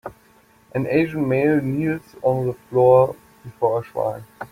An asian male kneels on the floor before a shrine